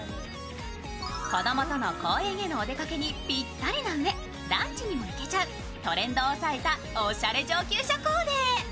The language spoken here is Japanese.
子供との公園へのお出かけにぴったりなうえ、ランチにも行けちゃう、トレンドを押さえたおしゃれ上級者コーデ。